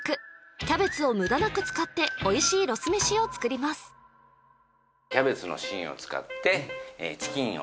キャベツを無駄なく使っておいしいロスめしを作りますおっ！